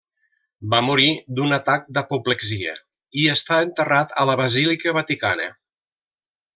Va morir d'un atac d'apoplexia i està enterrat a la Basílica Vaticana.